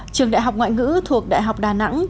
trường đại học ngoại ngữ thuộc đại học đà nẵng